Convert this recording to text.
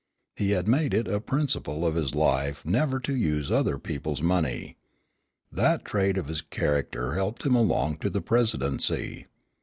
He made it a principle of his life never to use other people's money. That trait of his character helped him along to the Presidency.